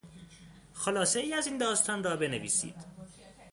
خلاصهای از این داستان را بنویسید.